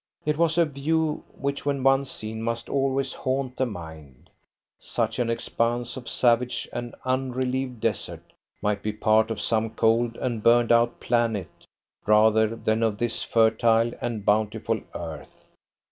It was a view which, when once seen, must always haunt the mind. Such an expanse of savage and unrelieved desert might be part of some cold and burned out planet rather than of this fertile and bountiful earth.